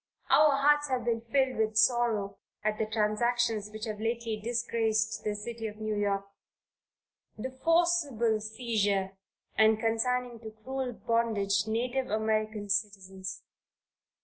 Our hearts have been filled with sorrow at the transactions which have lately disgraced the city of New York; the forcible seizure and consigning to cruel bondage native American citizens.